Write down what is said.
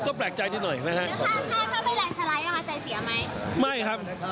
ก็แปลกใจนิดหน่อยนะครับ